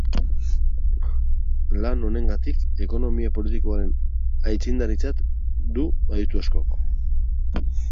Lan honengatik ekonomia politikoaren aitzindaritzat du aditu askok.